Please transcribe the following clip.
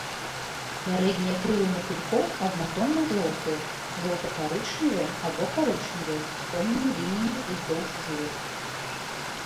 Пярэднія крылы матылькоў аднатонна-жоўтыя, жоўта-карычневыя або карычневыя, з цёмнымі лініямі ўздоўж жылак.